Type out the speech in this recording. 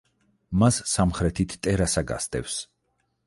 მას სამხრეთით ტერასა გასდევს.